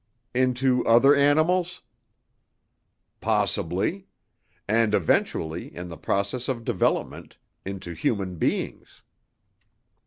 "Into other animals?" "Possibly. And eventually, in the process of development, into human beings."